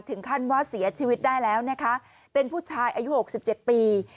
ถึงขั้นว่าเสียชีวิตได้แล้วนะคะเป็นผู้ชายอายุ๖๗ปี